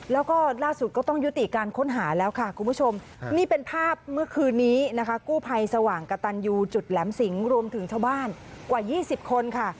แล้วก็ล่าสุดก็ต้องยุติการค้นหาแล้วค่ะคุณผู้ชมนี่เป็นภาพเมื่อคืนนี้นะคะกู้ภัยสว่างกระตันยูจุดแหลมสิงรวมถึงชาวบ้านกว่า๒๐คนค่ะ